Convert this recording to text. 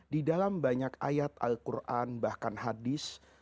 di dalam banyak ayat al quran bahkan hadis